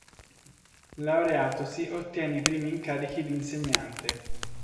Laureatosi, ottiene i primi incarichi di insegnante.